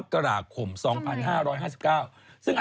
ฟันทง